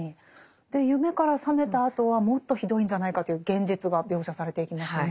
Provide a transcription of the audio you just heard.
で夢から覚めたあとはもっとひどいんじゃないかという現実が描写されていきますよね。